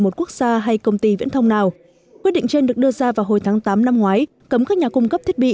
thông thông nào quyết định trên được đưa ra vào hồi tháng tám năm ngoái cấm các nhà cung cấp thiết bị